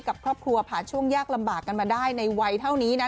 กับครอบครัวผ่านช่วงยากลำบากกันมาได้ในวัยเท่านี้นะ